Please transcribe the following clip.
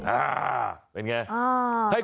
อ่าาาาเป็นไง